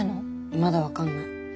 まだ分かんない。